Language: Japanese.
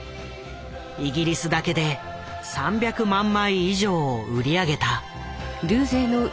イギリスだけで３００万枚以上を売り上げた。